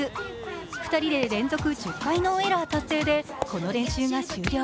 ２人で連続１０回ノーエラー達成でこの練習が終了。